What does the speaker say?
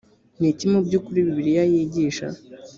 ni iki mu by ukuri bibiliya yigisha